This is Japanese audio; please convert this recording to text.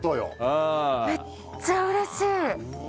めっちゃうれしい！